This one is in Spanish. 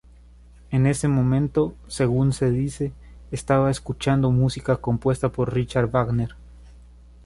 En ese momento, según se dice, estaba escuchando música compuesta por Richard Wagner.